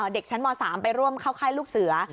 เด็กชั้นม๓ไปร่วมเข้าค่ายลูกเสือ